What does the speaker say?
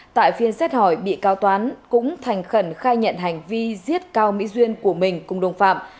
tại phiên xét hỏi bị cáo toán cũng thành khẩn khai nhận hành vi giết cao mỹ duyên của mình cùng đồng phạm